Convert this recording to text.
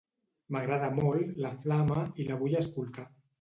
M'agrada molt "La flama" i la vull escoltar.